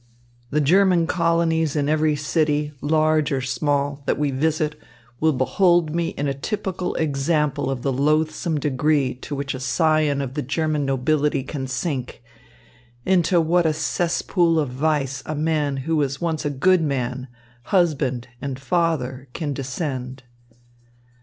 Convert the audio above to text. The German colonies in every city, large or small, that we visit will behold in me a typical example of the loathsome degree to which a scion of the German nobility can sink, into what a cesspool of vice a man who was once a good man, husband, and father can descend."